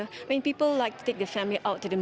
mereka suka mengambil keluarga ke film dan sebagainya